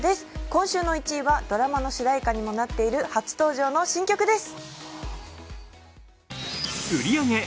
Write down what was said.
今週の１位はドラマの主題歌にもなっている初登場の新曲です。